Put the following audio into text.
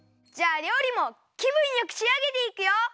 じゃありょうりもきぶんよくしあげていくよ！